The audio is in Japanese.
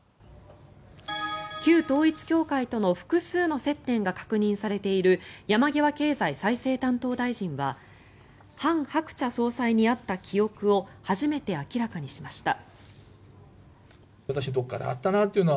旧統一教会との複数の接点が確認されている山際経済再生担当大臣はハン・ハクチャ総裁に会った記憶を初めて明らかにしました。